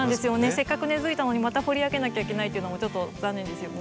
せっかく根づいたのにまた掘り上げなきゃいけないというのもちょっと残念ですよね。